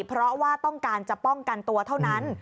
เพราะว่าต้องการจะป้องกันตัวเท่านั้น